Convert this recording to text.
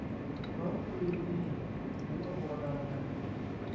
ร้อยปีนี่ถือว่าโบราณยัง